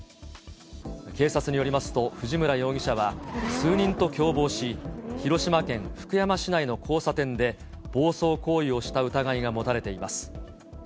警察によりますと、藤村容疑者は、数人と共謀し、広島県福山市内の交差点で、暴走行為をした疑いが持たれています。